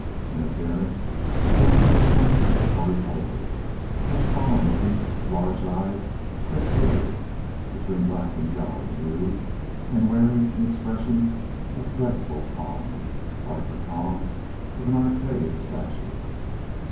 In appearance they were neither handsome nor repulsive, but solemn looking, large eyed, thick haired—between black and yellow in hue—and wearing an expression of dreadful calm, like the calm of an archaic statue.